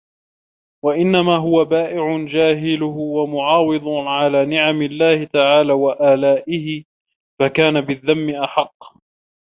وَإِنَّمَا هُوَ بَائِعُ جَاهِهِ وَمُعَاوِضُ عَلَى نِعَمِ اللَّهِ تَعَالَى وَآلَائِهِ فَكَانَ بِالذَّمِّ أَحَقَّ